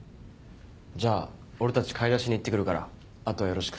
じゃあ俺たち買い出しに行って来るから後はよろしく。